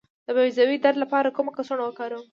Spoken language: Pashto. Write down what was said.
د بیضو د درد لپاره کومه کڅوړه وکاروم؟